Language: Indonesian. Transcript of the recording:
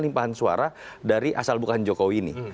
limpahan suara dari asal bukan jokowi ini